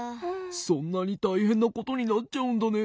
そんなにたいへんなことになっちゃうんだね。